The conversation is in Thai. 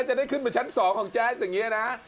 จะได้ขึ้นไปชั้น๒ของแจ๊สอย่างนี้นะ